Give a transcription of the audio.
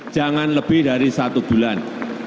jangan lebih dari satu bulan